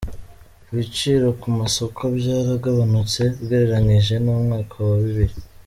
Ibiciro ku masoko byaragabanutse ugereranyije n’umwaka wa bibiri